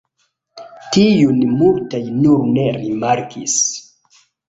Tion multaj nur ne rimarkis.